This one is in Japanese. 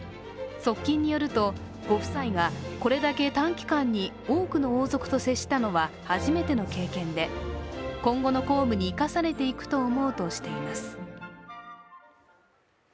側近によると、ご夫妻がこれだけ短期間に多くの王族と接したのは初めての経験で今後の公務に生かされていくと思うとしています。